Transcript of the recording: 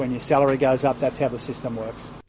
ketika salari anda menambah